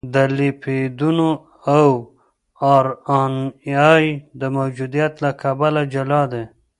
د لیپیدونو او ار ان اې د موجودیت له کبله جلا دي.